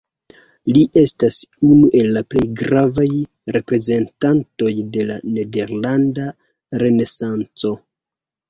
Li estas unu el la plej gravaj reprezentantoj de la nederlanda renesanco.